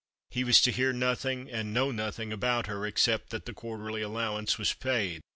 He was to hear nothing and know nothing about her, except that the quarterly allowance was paid.